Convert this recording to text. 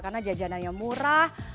karena jajanannya murah